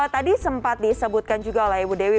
tadi sempat disebutkan juga oleh ibu dewi